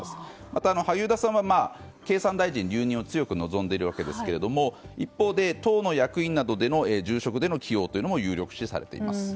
また、萩生田さんは経産大臣留任を強く望んでいるわけですが一方で党役員などでの重職での起用というのも有力視されています。